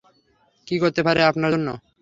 কী করতে পারি আপনার জন্য?